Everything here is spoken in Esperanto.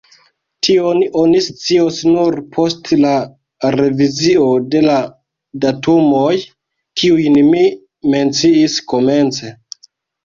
Tion oni scios nur post la revizio de la datumoj, kiujn mi menciis komence.